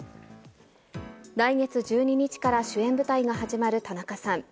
来月１２日から主演舞台が始まる田中さん。